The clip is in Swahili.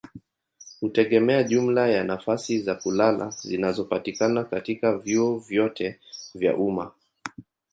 hutegemea jumla ya nafasi za kulala zinazopatikana katika vyuo vyote vya umma.